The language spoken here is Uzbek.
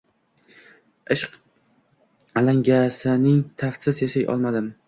ishq alangasining taftisiz yashay olmadim.